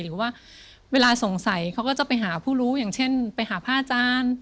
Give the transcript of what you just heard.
หรือว่าเวลาสงสัยเขาก็จะไปหาผู้รู้อย่างเช่นไปหาพระอาจารย์